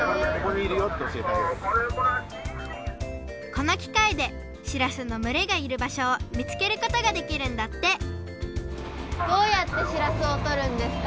このきかいでしらすのむれがいるばしょをみつけることができるんだってどうやってしらすをとるんですか？